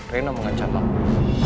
reno mengencam mama